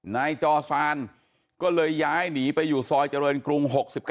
นายจอซานก็เลยย้ายหนีไปอยู่ซอยเจริญกรุง๖๙